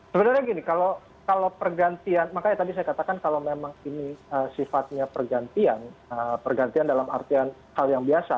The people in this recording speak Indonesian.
sebenarnya gini kalau pergantian makanya tadi saya katakan kalau memang ini sifatnya pergantian pergantian dalam artian hal yang biasa